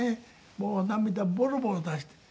もう涙ボロボロ出して。